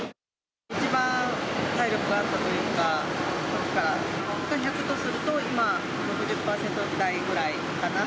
一番体力があったというか、ときから、１００とすると、今は６０％台ぐらいかな。